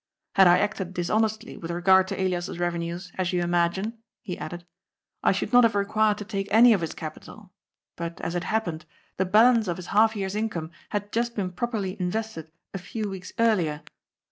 *^ Had I acted dishonestly with regard to Elias's revenues, as you imagine," he added, *' I should not have required to take any of his capital, but, as it happened, the balance of his half year's income had just been properly invested a few .weeks earlier.